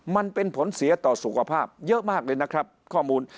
มันเป็นผลเสียต่อสุขภาพเยอะมากเลยนะครับข้อมูล